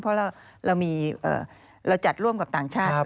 เพราะเราจัดร่วมกับต่างชาติ